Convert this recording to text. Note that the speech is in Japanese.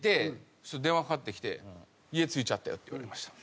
そしたら電話かかってきて「家着いちゃったよ」って言われました。